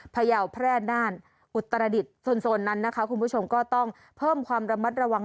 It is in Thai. พยาวแพร่น่านอุตรดิษฐ์โซนนั้นนะคะคุณผู้ชมก็ต้องเพิ่มความระมัดระวัง